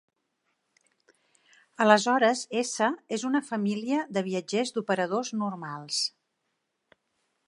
Aleshores "S" és una família de viatgers d'operadors normals.